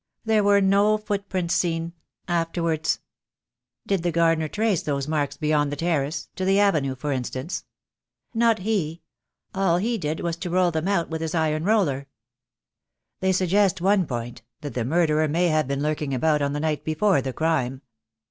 There were no footprints seen — after wards." The Day will covie. I. II I 62 THE DAY WILL COME. "Did the gardener trace those marks beyond the terrace — to the avenue, for instance?" "Not he. All he did was to roll them out with his iron roller." "They suggest one point — that the murderer may have been lurking about on the night before the crime."